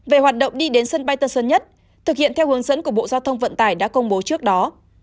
về hoạt động đi đến sân bay tân sơn nhất thực hiện theo hướng dẫn của bộ giao thông vận tải đã công bố trước đó